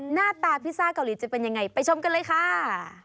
หน้าตาพิซซ่าเกาหลีจะเป็นยังไงไปชมกันเลยค่ะ